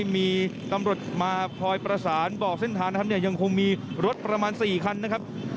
มีตำรวจมาคอยประสานบอกเส้นทางนะครับเนี่ยยังคงมีรถประมาณ๔คันนะครับ